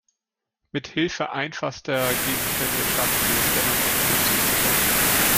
Mit Hilfe einfachster Gegenstände schaffen sie es dennoch auf die Insel zu kommen.